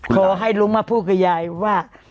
ขอให้ลุงมาพูดกับยายว่า